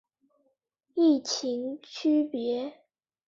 异腈区别。